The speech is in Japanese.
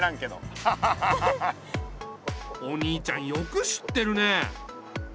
お兄ちゃんよく知ってるね。